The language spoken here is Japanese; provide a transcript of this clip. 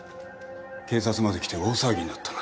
警察まで来て大騒ぎになったのに。